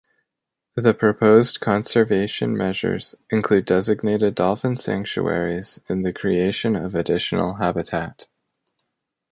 The proposed conservation measures include designated dolphin sanctuaries and the creation of additional habitat.